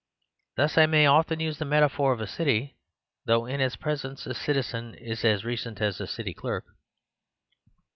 Thus I may often use the metaphor of a city; though in its pres ence a citizen is as recent as a city clerk.